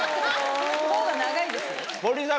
ほぉが長いです。